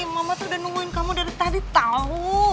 mama tuh udah nungguin kamu dari tadi tau